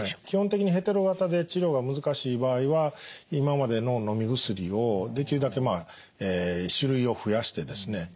基本的にヘテロ型で治療が難しい場合は今までののみ薬をできるだけ種類を増やしてですね